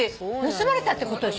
盗まれたってことでしょきっと。